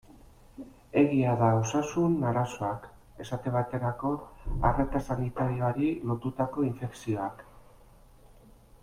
Egia da osasun arazoak, esate baterako arreta sanitarioari lotutako infekzioak.